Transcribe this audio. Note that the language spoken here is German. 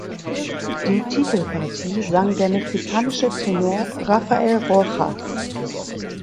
Die Titelpartie sang der mexikanische Tenor Rafael Rojas.